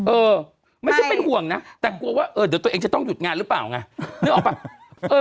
เออไม่ใช่เป็นห่วงนะแต่กลัวว่าเออเดี๋ยวตัวเองจะต้องหยุดงานหรือเปล่าไงนึกออกป่ะ